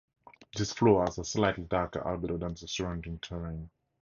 This floor has a slightly darker albedo than the surrounding terrain.